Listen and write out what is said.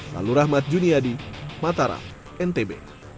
lalu rahmat juniadi matara ntb